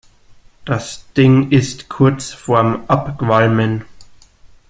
Das Ding ist kurz vorm Abqualmen.